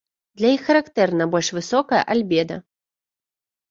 Для іх характэрна больш высокае альбеда.